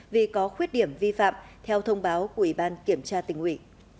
vì có khuyết điểm vi phạm theo thông báo của ủy ban kiểm tra tỉnh ủy